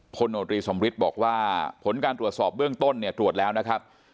โนตรีสมฤทธิ์บอกว่าผลการตรวจสอบเบื้องต้นเนี่ยตรวจแล้วนะครับ